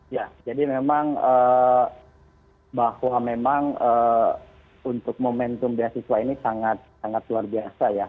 ya jadi memang bahwa memang untuk momentum beasiswa ini sangat sangat luar biasa ya